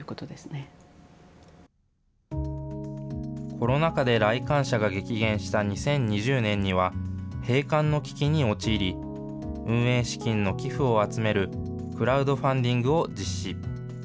コロナ禍で来館者が激減した２０２０年には、閉館の危機に陥り、運営資金の寄付を集めるクラウドファンディングを実施。